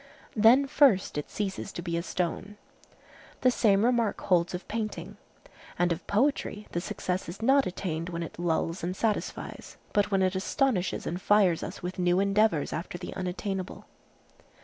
Then first it ceases to be a stone. The same remark holds of painting. And of poetry the success is not attained when it lulls and satisfies, but when it astonishes and fires us with new endeavors after the unattainable.